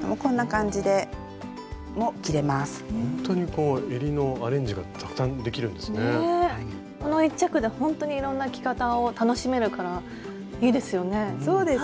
この１着でほんとにいろんな着方を楽しめるからいいですよね。